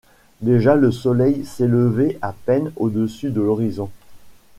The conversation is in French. Déjà le soleil s’élevait à peine au-dessus de l’horizon.